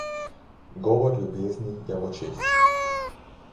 Govor ljubezni je v očeh.